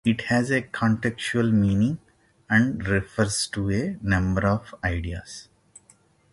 It has a contextual meaning and refers to a number of ideas.